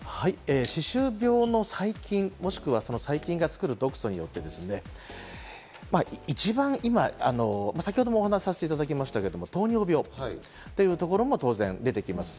歯周病の細菌、もしくは細菌が作る毒素によって、一番今、先ほどもお話させていただきましたが、糖尿病というところも当然出てきます。